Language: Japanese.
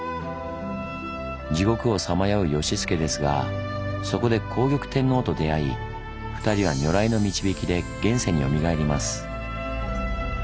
地獄をさまよう善佐ですがそこで皇極天皇と出会い２人は如来の導きで現世によみがえります。